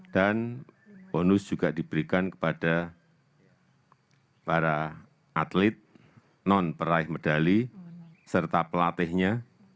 dan bonus juga diberikan kepada para atlet non peraih medali serta pelatihnya